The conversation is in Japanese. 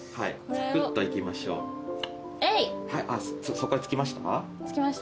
底へ着きました？